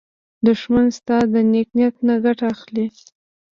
دښمن ستا د نېک نیت نه ګټه اخلي